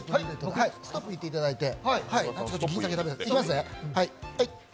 ストップ言っていただいて。